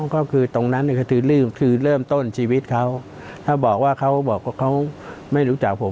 ก็คือตรงนั้นก็คือลืมคือเริ่มต้นชีวิตเขาถ้าบอกว่าเขาบอกว่าเขาไม่รู้จักผม